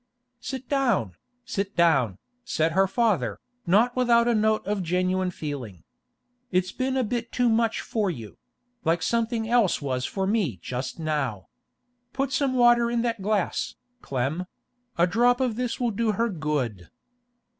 'Sit down, sit down,' said her father, not without a note of genuine feeling. 'It's been a bit too much for you—like something else was for me just now. Put some water in that glass, Clem; a drop of this will do her good.